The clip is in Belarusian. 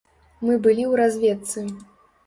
Мы былі ў разведцы.